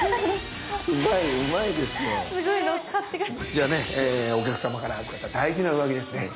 じゃあねえお客様から預かった大事な上着ですね。